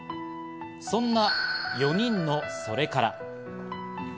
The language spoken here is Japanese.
そんな４人のそれから。